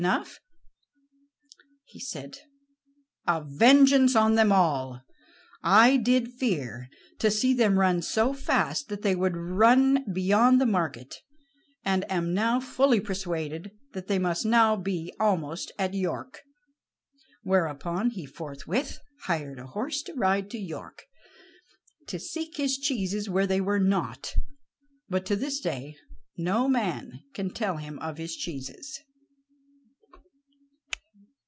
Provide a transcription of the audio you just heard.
And then he said: "A vengeance on them all. I did fear to see them run so fast that they would run beyond the market. I am now fully persuaded that they must be now almost at York." Thereupon he forthwith hired a horse to ride to York, to seek his cheeses where they were not, but to this day no man can tell him of his cheeses.